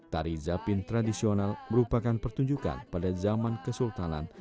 tari zapin tradisional merupakan pertunjukan pada zaman kesultanan